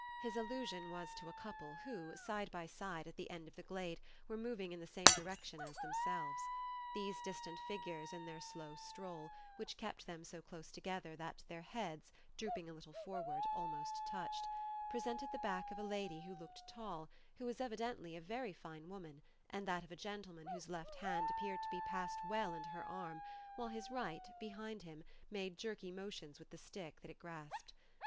His allusion was to a couple who, side by side, at the end of the glade, were moving in the same direction as themselves. These distant figures, in their slow stroll (which kept them so close together that their heads, drooping a little forward, almost touched), presented the back of a lady who looked tall, who was evidently a very fine woman, and that of a gentleman whose left hand appeared to be passed well into her arm while his right, behind him, made jerky motions with the stick that it grasped.